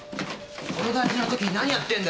この大事なときに何やってんだよお前。